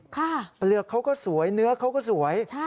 เปลือกเขาก็สวยเนื้อเขาก็สวย